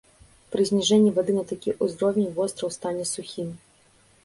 Пры зніжэнні вады на такі ўзровень востраў стане сухім.